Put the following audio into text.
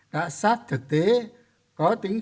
đã sát thực tế có tính